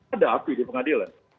ada aku di pengadilan